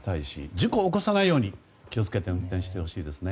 事故を起こさないように気を付けて運転してほしいです。